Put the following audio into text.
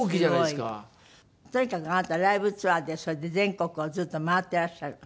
とにかくあなたはライブツアーでそうやって全国をずっと回ってらっしゃる？